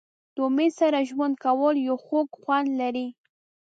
د امید سره ژوند کول یو خوږ خوند لري.